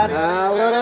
cabut cabut cabut cabut